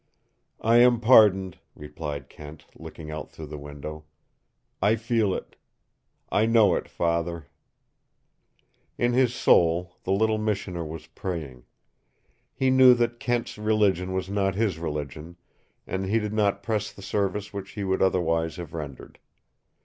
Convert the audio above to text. "I am pardoned," replied Kent, looking out through the window. "I feel it. I know it, Father." In his soul the little missioner was praying. He knew that Kent's religion was not his religion, and he did not press the service which he would otherwise have rendered.